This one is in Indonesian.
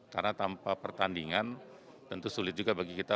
karena tanpa pertandingan tentu sulit juga bagi kita